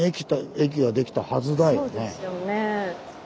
そうですよね。